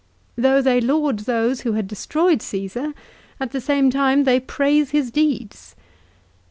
" Though they laud those who had destroyed Cassar, at the same time they praise his deeds."